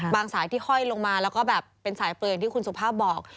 สายที่ห้อยลงมาแล้วก็แบบเป็นสายเปลืออย่างที่คุณสุภาพบอก